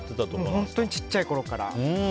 本当に小さいころから。